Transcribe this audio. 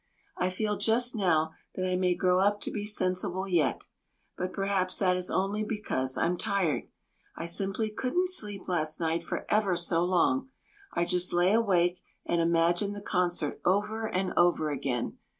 I feel just now that I may grow up to be sensible yet. But perhaps that is only because I'm tired. I simply couldn't sleep last night for ever so long. I just lay awake and imagined the concert over and over again.